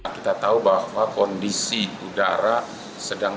kita tahu bahwa kondisi udara sedang